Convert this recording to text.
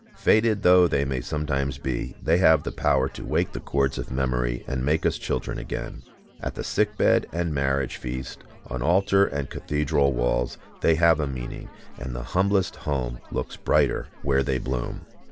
Faded though they may sometimes be, they have the power to wake the chords of memory and make us children again. At the sick bed and marriage feast, on altar and cathedral walls they have a meaning, and the humblest home looks brighter where they bloom.